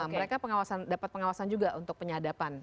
mereka pengawasan dapat pengawasan juga untuk penyadapan